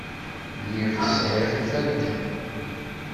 Lliɣ sɛiɣ ifadden.